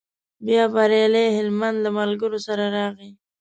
بیا بریالی هلمند له ملګرو سره راغی.